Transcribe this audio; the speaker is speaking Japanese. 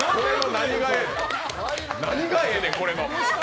何がええねん、これの。